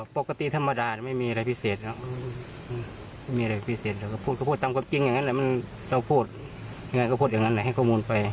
ปกติธรรมดาไม่มีอะไรพิเศษพูดตามความจริงอย่างนั้นเราพูดอย่างนั้นก็พูดอย่างนั้นให้ข้อมูลไป